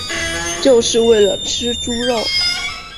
就是为了吃猪肉